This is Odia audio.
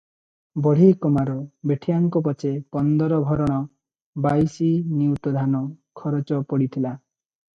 ବଢ଼େଇ, କମାର ବେଠିଆଙ୍କ ପଛେ ପନ୍ଦର ଭରଣ ବାଇଶି ନଉତି ଧାନ ଖରଚ ପଡିଥିଲା ।